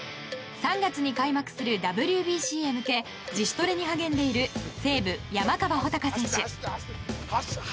３月に開幕するＷＢＣへ向け自主トレに励んでいる西武・山川穂高選手。